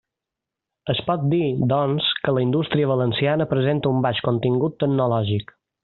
Es pot dir, doncs, que la indústria valenciana presenta un baix contingut tecnològic.